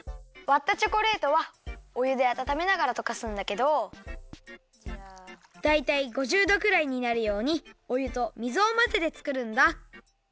わったチョコレートはおゆであたためながらとかすんだけどだいたい５０どくらいになるようにおゆと水をまぜてつくるんだ。